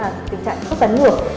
tình trạng khớp cắn ngược